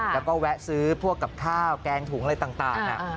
แล้วก็แวะซื้อพวกกับข้าวแกงถุงอะไรต่าง